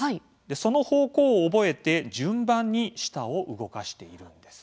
その方向を覚えて順番に舌を動かしているんです。